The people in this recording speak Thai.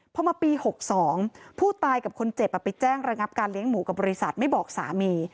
พอมาปี๖๒ผู้ตายกับคนเจ็บไปแจ้งระงับการเลี้ยงหมูกับบริษัทไม่บอกสามี